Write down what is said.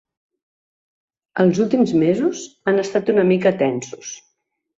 Els últims mesos han estat una mica tensos.